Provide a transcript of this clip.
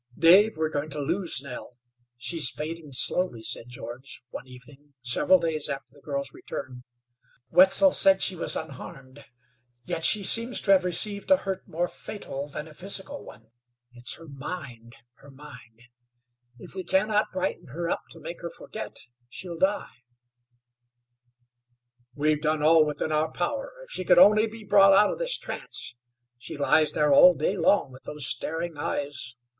"Dave, we're going to loose Nell. She's fading slowly," said George, one evening, several days after the girl's return. "Wetzel said she was unharmed, yet she seems to have received a hurt more fatal than a physical one. It's her mind her mind. If we cannot brighten her up to make her forget, she'll die." "We've done all within our power. If she could only be brought out of this trance! She lies there all day long with those staring eyes.